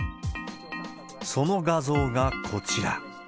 その画像がこちら。